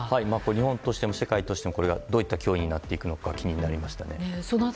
日本としても世界としてもこれがどんな脅威になるのか気になりましたね。